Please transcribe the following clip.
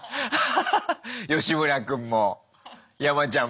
吉村君も山ちゃんも。